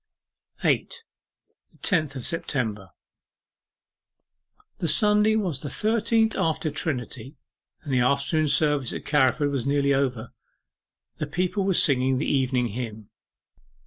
8. THE TENTH OF SEPTEMBER The Sunday was the thirteenth after Trinity, and the afternoon service at Carriford was nearly over. The people were singing the Evening Hymn.